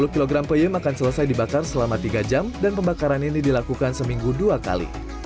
dua puluh kg peyem akan selesai dibakar selama tiga jam dan pembakaran ini dilakukan seminggu dua kali